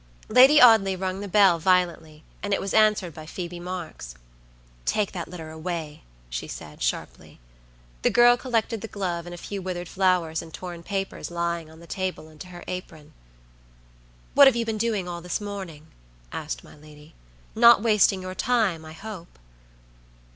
Lady Audley rung the bell violently, and it was answered by Phoebe Marks. "Take that litter away," she said, sharply. The girl collected the glove and a few withered flowers and torn papers lying on the table into her apron. "What have you been doing all this morning?" asked my lady. "Not wasting your time, I hope?"